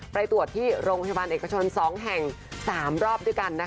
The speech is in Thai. ไปตรวจที่โรงพยาบาลเอกชน๒แห่ง๓รอบด้วยกัน